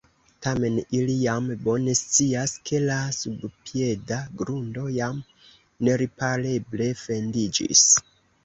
Tamen ili jam bone scias, ke la subpieda grundo jam neripareble fendiĝis.